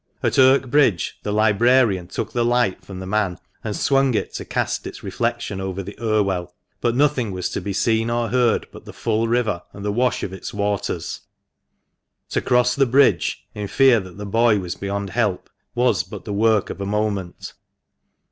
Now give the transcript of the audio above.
At Irk Bridge the librarian took the light from the man, and swung it to cast its reflection over the Irwell ; but nothing was to be seen or heard but the full river, and the wash of its waters. To cross the bridge, in fear that the boy was beyond help, was but the work of a moment.